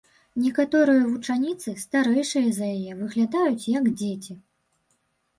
Некаторыя вучаніцы, старэйшыя за яе, выглядаюць, як дзеці.